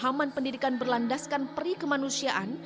dan pemahaman pendidikan berlandaskan perikemanusiaan